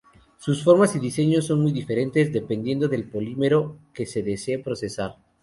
Sus formas y diseños son muy diferentes, dependiendo del polímero que se desee procesar.